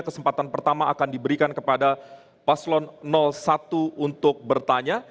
kesempatan pertama akan diberikan kepada paslon satu untuk bertanya